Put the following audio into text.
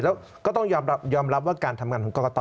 แล้วก็ต้องยอมรับว่าการทำงานของกรกต